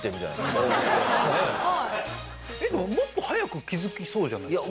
でももっと早く気づきそうじゃないですか？